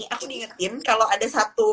aku diingetin kalau ada satu